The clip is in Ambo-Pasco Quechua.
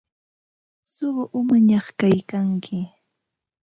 Suqu umañaq kaykanki.